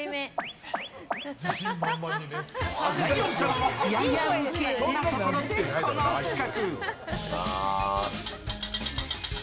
ライオンちゃんもややウケなところで、この企画。